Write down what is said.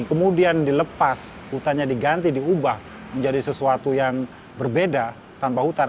kemudian dilepas hutannya diganti diubah menjadi sesuatu yang berbeda tanpa hutan